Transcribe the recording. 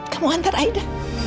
kamu antar aida